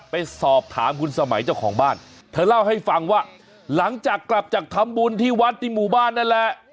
ไปสอบถามคุณสมัยเจ้าของบ้านเธอเล่าให้ฟังว่าหลังจากกลับจากทำบุญที่วัดที่หมู่บ้านนั่นแหละ